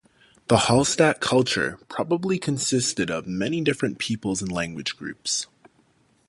The Hallstatt culture probably consisted of many different peoples and language groups.